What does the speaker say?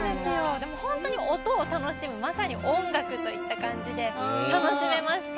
でもほんとうに音を楽しむまさに音楽といったかんじで楽しめました。